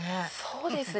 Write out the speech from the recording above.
そうですね。